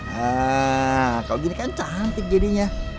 hah kalau gini kan cantik jadinya